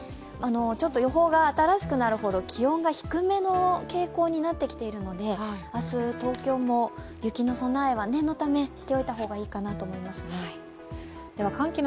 予報が新しくなるほど気温が低めの傾向になってきているので明日、東京も雪の備えは念のため、しておいた方がいいかなと思いますね。